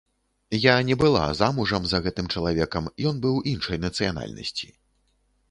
Я не была замужам за гэтым чалавекам, ён быў іншай нацыянальнасці.